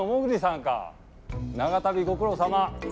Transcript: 長旅ご苦労さま。